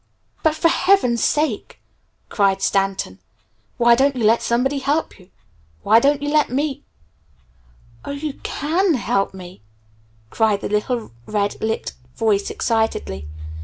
"But for heaven's sake!" cried Stanton, "why don't you let somebody help you? Why don't you let me " "Oh, you can help me!" cried the little red lipped voice excitedly.